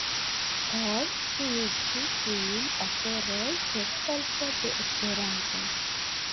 Kaj ĉiuj ĉi tiuj aferoj per helpo de Esperanto.